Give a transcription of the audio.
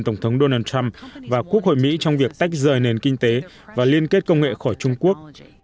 tổng thống donald trump và quốc hội mỹ trong việc tách rời nền kinh tế và liên kết công nghệ khỏi trung quốc